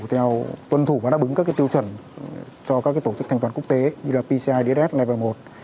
đảm bảo tuân thủ và đáp ứng các tiêu chuẩn cho các tổ chức thanh toán quốc tế như là pci dhs level một